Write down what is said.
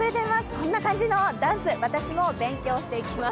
こんな感じのダンス、私も勉強していきます。